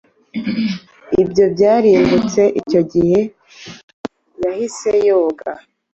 Ibyo byarimbutse Icyo gihe yahise yoga